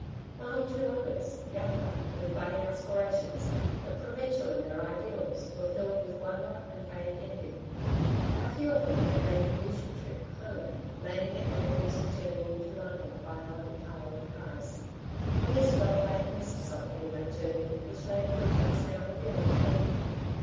One or two others, younger, with budding aspirations, but provincial in their ideals, were filled with wonder and vague envy. A few of them had made the usual trip 'Home,' landing at Naples and journeying to London, via Monte Carlo and Paris, and these felt they had missed something in that journey which Lady Bridget was now revealing to them.